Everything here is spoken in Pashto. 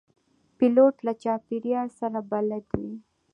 پیلوټ له چاپېریال سره بلد وي.